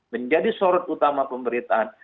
menjadi sorot utama pemberitaan